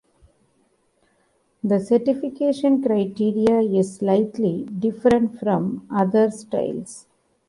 The certification criteria is slightly different from other styles.